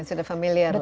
sudah familiar lah